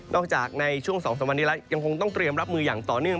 จากในช่วง๒๓วันนี้แล้วยังคงต้องเตรียมรับมืออย่างต่อเนื่อง